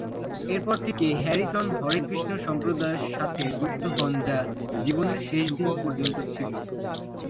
এরপর থেকে হ্যারিসন হরেকৃষ্ণ সম্প্রদায়ের সাথে যুক্ত হন যা জীবনের শেষ দিন পর্যন্ত ছিল।